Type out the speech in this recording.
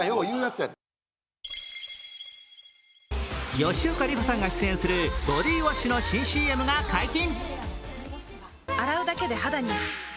吉岡里帆さんが出演するボディーウォッシュの新ＣＭが解禁。